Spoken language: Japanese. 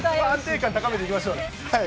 安定感高めていきましょうね。